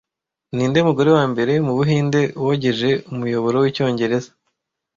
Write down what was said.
Ninde mugore wambere wu Buhinde wogeje Umuyoboro wicyongereza